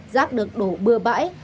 rác được đổ bừa bãi